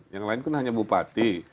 yang lain kan hanya bupati